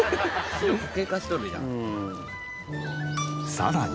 さらに。